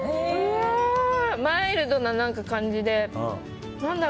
マイルドな感じで。